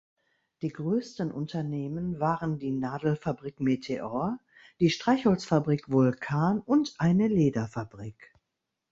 Die größten Unternehmen waren die Nadelfabrik "Meteor", die Streichholzfabrik "Vulkan" und eine Lederfabrik.